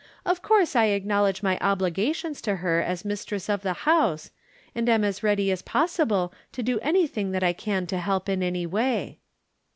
Of course I acknowledge my obligations to her as mistress of the house, and am as ready as possible to do anything that I can to help in any way."